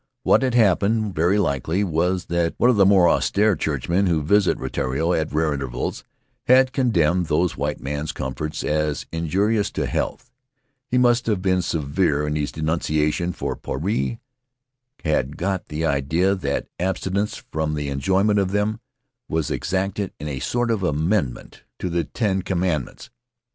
What had hap pened, very likely, was that one of the more austere churchmen who visit Rutiaro at rare intervals had condemned those white man's comforts as injurious to health. He must have been severe in his denunciation, for Puarei had got the idea that abstinence from the enjoyment of them was exacted in a sort of amendment to the Ten Commandments.